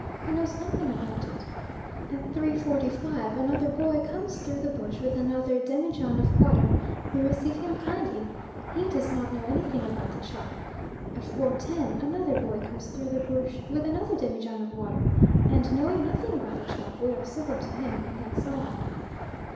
He knows nothing about it. At 3.45 another boy comes through the bush with another demijohn of water; we receive him kindly; HE does not know anything about the chop. At 4.10 another boy comes through the bush with another demijohn of water, and knowing nothing about the chop, we are civil to him, and that's all.